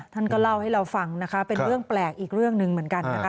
ท่านก็เล่าให้เราฟังนะคะเป็นเรื่องแปลกอีกเรื่องหนึ่งเหมือนกันนะคะ